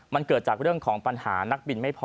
มันเกิดจากเรื่องของปัญหานักบินไม่พอ